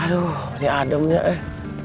aduh ini ademnya eh